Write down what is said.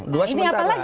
dua sementara dong